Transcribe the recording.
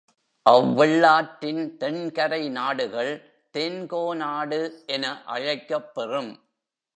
அவ்வெள்ளாற்றின் தென்கரை நாடுகள் தென்கோனாடு என அழைக்கப் பெறும்.